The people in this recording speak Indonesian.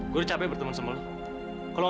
gue udah capek bertemu sama lo